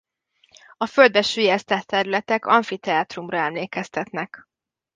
A földbe süllyesztett területek amfiteátrumra emlékeztetnek.